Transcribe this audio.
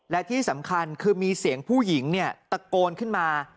และที่สำคัญคือมีเสียงผู้หญิงตะโกนขึ้นมา